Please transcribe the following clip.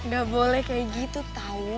gak boleh kayak gitu tyle